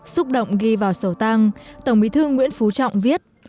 xúc động ghi vào sổ tang tổng bí thư nguyễn phú trọng viết